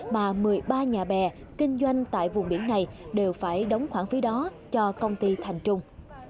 mà một mươi ba nhà bè kinh doanh tại vùng biển này đều phải đóng khoản phí đó cho công ty thành trung